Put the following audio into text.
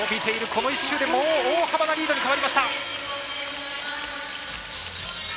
この１周で大幅なリードに変わりました。